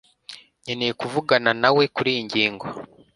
nkeneye kuvugana nawe kuriyi ngingo